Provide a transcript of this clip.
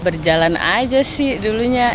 berjalan aja sih dulunya